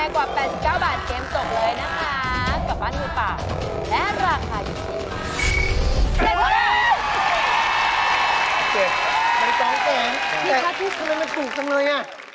แต่สินค้าที่สิ่งนี้ไม่ถูกจังเลย